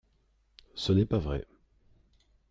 Ce n’est pas vrai.